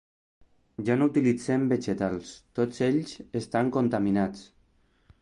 Ja no utilitzem vegetals, tots ells estan contaminats.